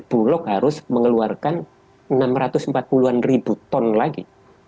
bulog harus mengeluarkan enam ratus empat puluh an ribu ton lagi